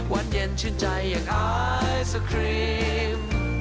วันเย็นชื่นใจอย่างอายสครีม